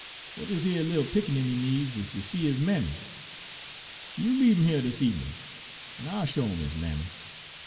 W'at dis yer little pickaninny needs is ter see his mammy. You leabe 'im heah 'tel ebenin' en I'll show 'im his mammy.'